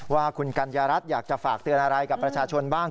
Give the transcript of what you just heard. ว่าคุณกัญญารัฐอยากจะฝากเตือนอะไรกับประชาชนบ้าง